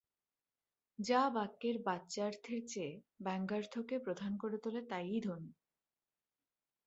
যা বাক্যের বাচ্যার্থের চেয়ে ব্যঙ্গ্যার্থকে প্রধান করে তোলে তা-ই ধ্বনি।